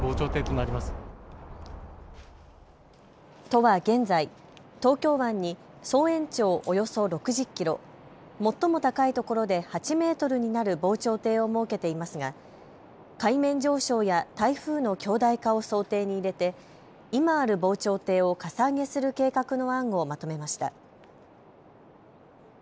都は現在、東京湾に総延長およそ６０キロ、最も高い所で８メートルになる防潮堤を設けていますが海面上昇や台風の強大化を想定に入れて今ある防潮堤をかさ上げする計画の案をまとめました。